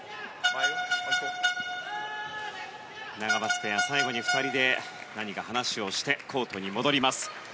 ナガマツペア最後に２人で話をしてコートに戻ります。